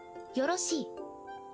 よろしい。